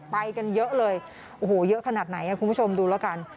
ไปกันเยอะเลยโอ้โหเยอะขนาดไหนคุณผู้ชมดูแล้วกัน